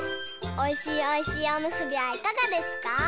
おいしいおいしいおむすびはいかがですか？